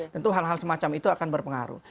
tentu hal hal semacam itu akan berpengaruh